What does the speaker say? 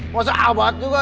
mau seabad juga